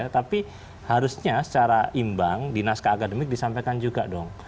tapi harusnya secara imbang di naskah akademik disampaikan juga dong